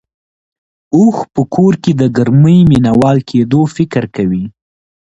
اوښ په کور کې د ګرمۍ مينه وال کېدو فکر کوي.